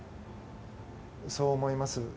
そう思います。